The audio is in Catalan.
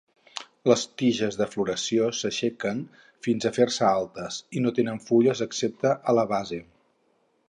Les tiges de floració s'aixequen, fins a fer-se altes, i no tenen fulles excepte a la base.